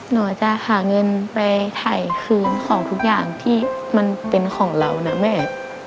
หนูจะหาเงินไปถ่ายคืนของทุกอย่างที่มันเป็นของเรานะแม่